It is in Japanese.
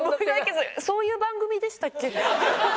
そういう番組でしたっけ？